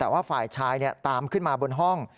ว่าฝ่ายชายเนี่ยตามขึ้นมาบนห้อง